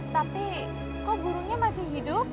tapi kok gurunya masih hidup